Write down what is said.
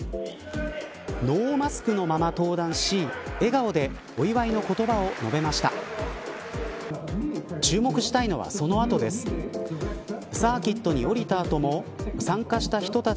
ノーマスクのまま登壇し笑顔でお祝いの言葉を述べました。